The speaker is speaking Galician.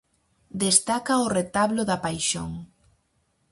Destaca o Retablo da Paixón.